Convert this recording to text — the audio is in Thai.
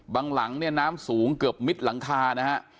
หลังเนี่ยน้ำสูงเกือบมิดหลังคานะฮะ